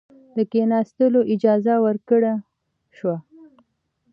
د کښېنستلو اجازه ورکړه شوه.